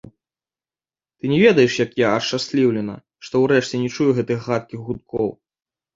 Ты не ведаеш, як я ашчасліўлена, што ўрэшце не чую гэтых гадкіх гудкоў.